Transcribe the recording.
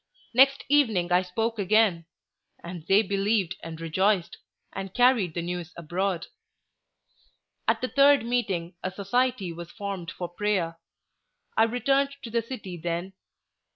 Next evening I spoke again, and they believed and rejoiced, and carried the news abroad. At the third meeting a society was formed for prayer. I returned to the city then.